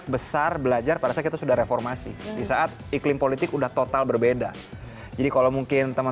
berita terkini dari kpum